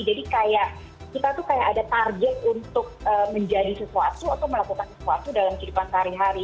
jadi kayak kita tuh kayak ada target untuk menjadi sesuatu atau melakukan sesuatu dalam kehidupan sehari hari